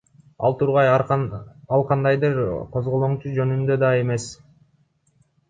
Ал тургай ал кандайдыр козголоңчу жөнүндө да эмес.